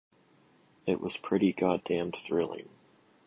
It was pretty goddamned thrilling.